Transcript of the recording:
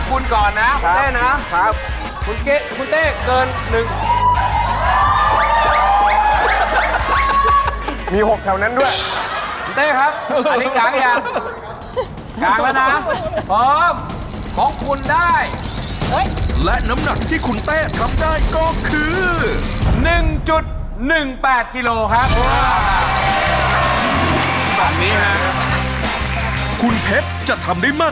พร้อมนะครับเรามาดูกันครับว่าน้ำหนักเท่าไหร่นะครับของพี่เพชรนะฮะ